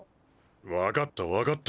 分かった分かった。